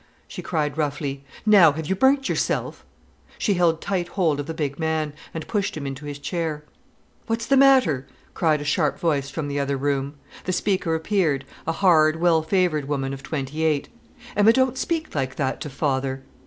she cried roughly. "Now, have you burnt yourself?" She held tight hold of the big man, and pushed him into his chair. "What's the matter?" cried a sharp voice from the other room. The speaker appeared, a hard well favoured woman of twenty eight. "Emma, don't speak like that to father."